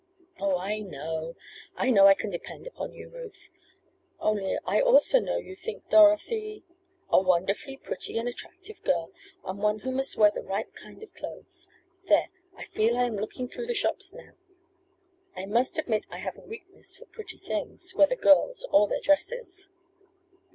"Oh, I know! I know I can depend upon you, Ruth. Only I also know you think Dorothy " "A wonderfully pretty and attractive girl, and one who must wear the right kind of clothes. There, I feel I am looking through the shops now. I must admit I have a weakness for pretty things, whether girls or their dresses."